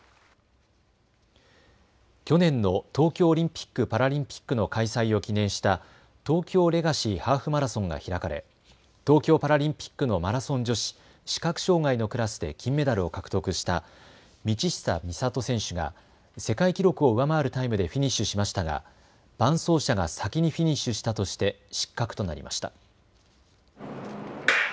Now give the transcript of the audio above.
去年の東京オリンピック・パラリンピックの開催を記念した東京レガシーハーフマラソンが開かれ東京パラリンピックのマラソン女子視覚障害のクラスで金メダルを獲得した道下美里選手が世界記録を上回るタイムでフィニッシュしましたが伴走者が先にフィニッシュしたとして失格となりました。